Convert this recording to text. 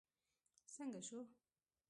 څنګه شو.